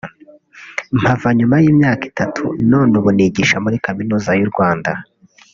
mpava nyuma y’imyaka itatu none ubu nigisha muri Kaminuza y’u Rwanda”